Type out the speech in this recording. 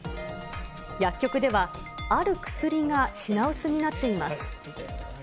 薬局ではある薬が品薄になっています。